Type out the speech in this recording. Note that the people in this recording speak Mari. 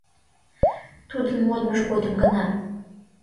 Тудын модмыж годым гына.